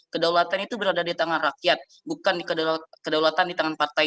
kedaulatan itu berada di tangan rakyat bukan di kedaulatan di tangan partai